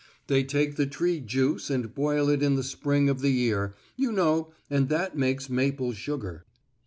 They take the tree juice and boil it in the spring of the year, you know, and that makes maple sugar.